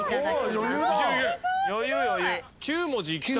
９文字いきたいね。